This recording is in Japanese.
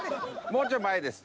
もうちょい前です。